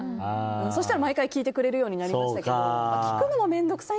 そしたら毎回聞いてくれるようになりました。